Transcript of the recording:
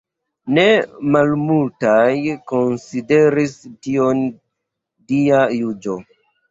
Ne malmultaj konsideris tion dia juĝo.